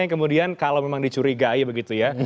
yang kemudian kalau memang dicurigai begitu ya